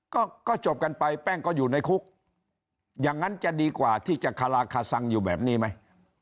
ก็ก็จบกันไปแป้งก็อยู่ในคุกอย่างนั้นจะดีกว่าที่จะคาราคาซังอยู่แบบนี้ไหม